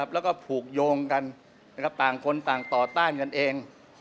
แล้วก็ผูกโยงกันต่างคนต่างต่อต้านกันเอง